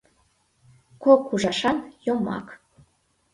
Кок ужашан йомак